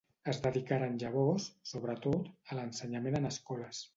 Es dedicaren llavors, sobretot, a l'ensenyament en escoles.